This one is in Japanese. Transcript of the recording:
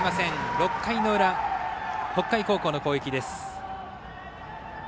６回の裏、北海高校の攻撃です。